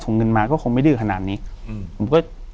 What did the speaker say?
อยู่ที่แม่ศรีวิรัยิลครับ